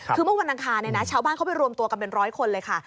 คือเมื่อวันอังคารชาวบ้านเขาไปรวมตัวกันเป็นร้อยคนเลยค่ะ